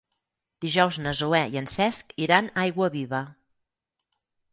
Dijous na Zoè i en Cesc iran a Aiguaviva.